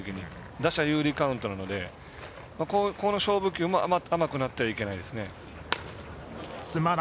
打者有利カウントなので勝負球は甘くなってはいけないです。